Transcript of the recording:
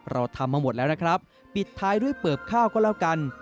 เราทำมาหมดแล้วนะครับปิดท้ายด้วยเปิบข้าวก็แล้วกัน